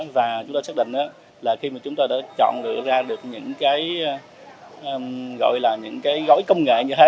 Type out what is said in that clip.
và chúng ta xác định là khi chúng ta đã chọn được những gói công nghệ như thế